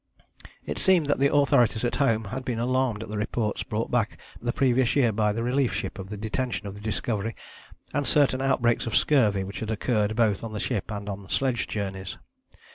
It seemed that the authorities at home had been alarmed at the reports brought back the previous year by the relief ship of the detention of the Discovery and certain outbreaks of scurvy which had occurred both on the ship and on sledge journeys.